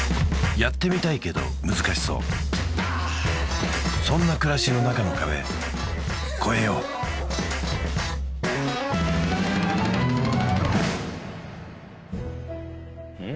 やってみたいけど難しそうそんな暮らしの中の壁こえよううん？